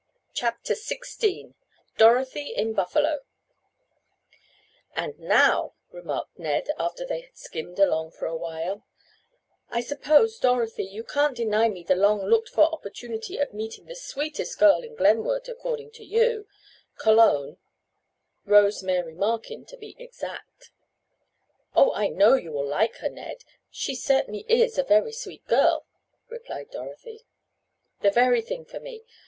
CHAPTER XVI DOROTHY IN BUFFALO "And now," remarked Ned after they had skimmed along for awhile, "I suppose, Dorothy, you can't deny me the long looked for opportunity of meeting the sweetest girl in Glenwood (according to you) Cologne—Rose Mary Markin, to be exact." "Oh, I know you will like her, Ned. She certainly is a very sweet girl," replied Dorothy. "The very thing for me.